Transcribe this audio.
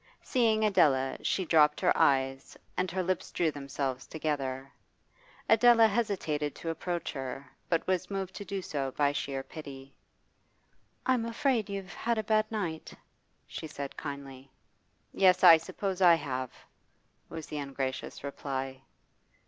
Seeing Adela, she dropped her eyes, and her lips drew themselves together. Adela hesitated to approach her, but was moved to do so by sheer pity. 'I'm afraid you've had a bad night,' she said kindly. 'Yes, I suppose I have,' was the ungracious reply.